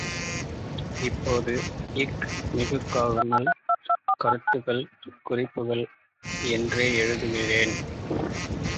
இப்போது க் மிகுக்காமல், கருத்துகள் குறிப்புகள் என்றே எழுதுகிறேன்.